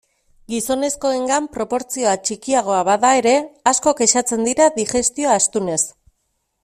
Gizonezkoengan proportzioa txikiagoa bada ere, asko kexatzen dira digestio astunez.